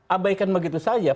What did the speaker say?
abaikan begitu saja